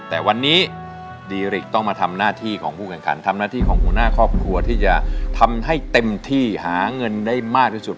แต่วันนี้ดีริกต้องมาทำหน้าที่ของผู้แข่งขันทำหน้าที่ของหัวหน้าครอบครัวที่จะทำให้เต็มที่หาเงินได้มากที่สุด